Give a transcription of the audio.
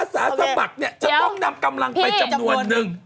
อัศศาสมัครจะต้องนำกำลังไปจำนวนหนึ่ง